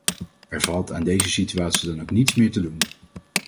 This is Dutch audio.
Er valt aan deze situatie dan ook niets meer te doen!